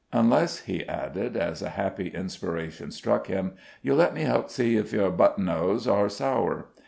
Unless," he added, as a happy inspiration struck him, "you'll let me help see if your buttonanoes are sour."